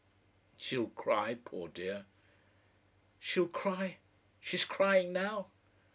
She'll cry, poor dear." "She'll cry. She's crying now!"